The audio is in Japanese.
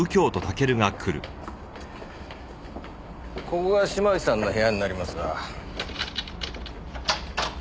ここが島内さんの部屋になりますが。